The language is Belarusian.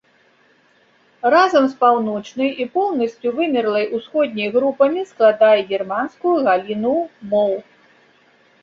Разам з паўночнай і поўнасцю вымерлай усходняй групамі складае германскую галіну моў.